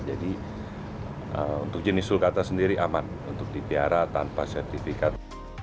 jadi untuk jenis sulkata sendiri aman untuk dipiara tanpa sertifikat